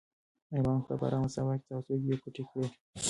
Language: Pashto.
ارمان کاکا په ارامه ساه واخیسته او سترګې یې پټې کړې.